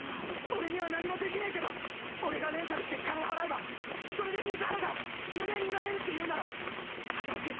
俺には何もできないけど俺がレンタルして金払えばそれで水原が夢見られるっていうなら働く。